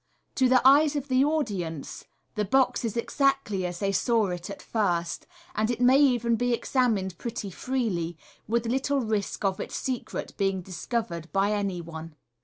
To the eyes of the audi ence, the box is exactly as they saw it at first, and it may even be examined pretty freely, with little risk of its secret being discovered by any one.